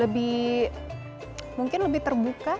lebih mungkin lebih terbuka